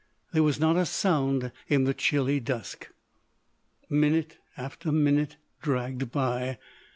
There was not a sound in the chilly dusk. Minute after minute dragged by.